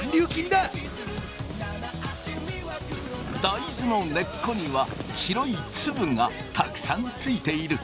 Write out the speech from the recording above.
大豆の根っこには白い粒がたくさんついている。